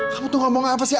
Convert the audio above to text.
aku tuh ngomong apa sih